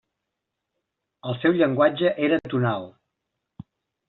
El seu llenguatge era tonal.